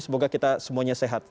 semoga kita semuanya sehat